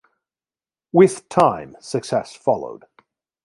With time success followed.